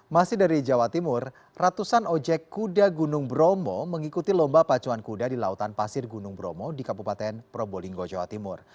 masih dari jawa timur ratusan ojek kuda gunung bromo mengikuti lomba pacuan kuda di lautan pasir gunung bromo di kabupaten probolinggo jawa timur